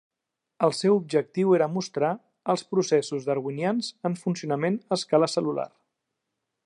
El seu objectiu era mostrar els processos darwinians en funcionament a escala cel·lular.